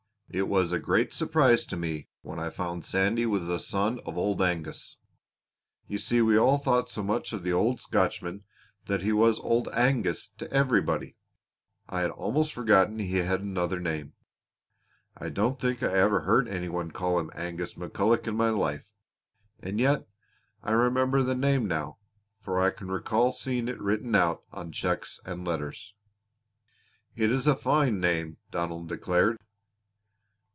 It was a great surprise to me when I found Sandy was the son of Old Angus. You see we all thought so much of the old Scotchman that he was Old Angus to everybody. I had almost forgotten he had another name. I don't think I ever heard any one call him Angus McCulloch in my life. And yet I remember the name now, for I can recall seeing it written out on checks and letters." "It is a fine name," Donald declared.